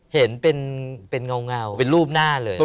เห็นเป็นเงาเป็นรูปหน้าเลย